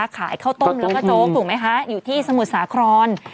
ขายข้าวต้มแล้วก็โจ๊กถูกไหมคะอยู่ที่สมุทรสาคร